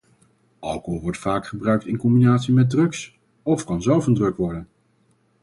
Alcohol wordt vaak gebruikt in combinatie met drugs of kan zelf een drug worden.